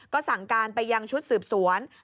ก็สั่งการไปยังชุดสืบสวนให้ลงพื้นที่